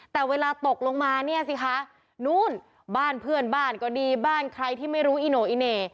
แต่เวลาตกลงมาเนี่ยสิคะนู้นบ้านเพื่อนบ้านก็ดีบ้านใครที่ไม่รู้อีโน่อีเหน่